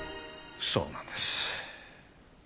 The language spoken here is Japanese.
そうなんです。